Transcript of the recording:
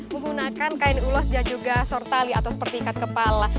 menggunakan kain ulos dan juga sortali atau seperti ikat kepala